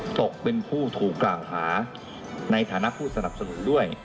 ตกเป็นผู้ถูกกล่าวหาในฐานะผู้สนับสนุนด้วย